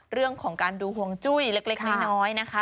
เรื่องของการดูห่วงจุ้ยเล็กน้อยนะคะ